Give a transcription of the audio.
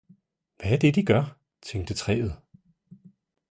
Hvad er det, de gør? tænkte træet.